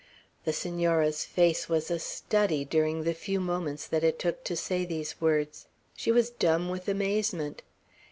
The Senora's face was a study during the few moments that it took to say these words. She was dumb with amazement.